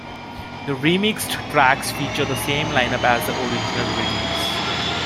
The remixed tracks feature the same lineup as the original release.